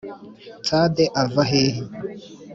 Tsade ava hehe